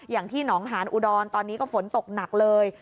อย่างที่หนองหานอุดรตอนนี้ก็ฝนตกหนักเลย